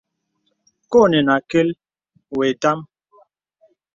Kə ɔnə nə àkəl wɔ ìtâm.